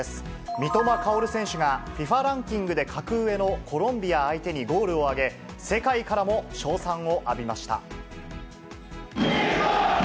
三笘薫選手が、ＦＩＦＡランキングで格上のコロンビア相手にゴールを挙げ、世界からも称賛を浴びました。